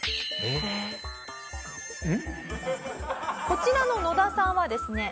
こちらのノダさんはですね